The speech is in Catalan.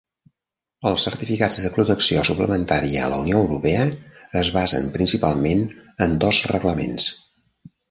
Els certificats de protecció suplementària a la Unió Europea es basen principalment en dos reglaments.